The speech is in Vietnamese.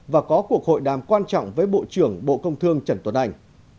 và có cuộc hội đàm quan trọng với bộ trưởng bộ công thương trần tuấn anh